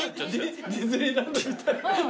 ディズニーランドみたい。